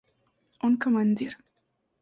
– Он командир.